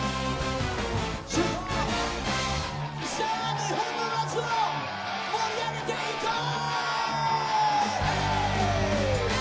日本の夏を盛り上げていこう！